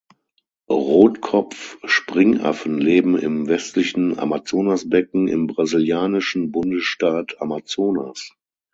Rotkopf-Springaffen leben im westlichen Amazonasbecken im brasilianischen Bundesstaat Amazonas.